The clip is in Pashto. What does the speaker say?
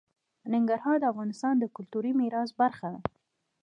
ننګرهار د افغانستان د کلتوري میراث برخه ده.